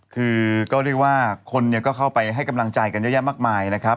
คือก็เรียกว่าคนก็เข้าไปให้กำลังใจกันเยอะแยะมากมายนะครับ